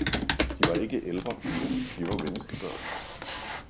De var ikke elverpiger, de var menneskebørn.